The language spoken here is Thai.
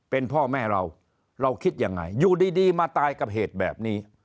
เป็นพ่อแม่เราเราคิดยังไงอยู่ดีมาตายกับเหตุแบบนี้